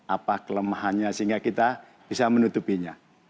apa kelemahannya sehingga kita bisa menutupinya